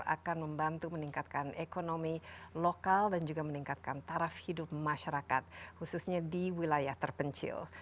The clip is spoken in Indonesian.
akan membantu meningkatkan ekonomi lokal dan juga meningkatkan taraf hidup masyarakat khususnya di wilayah terpencil